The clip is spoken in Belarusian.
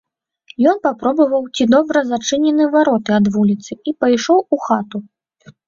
Ён папробаваў, ці добра зачынены вароты ад вуліцы, і пайшоў у хату.